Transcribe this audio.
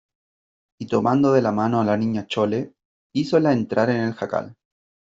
y tomando de la mano a la Niña Chole , hízola entrar en el jacal .